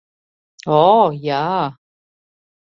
O, jā.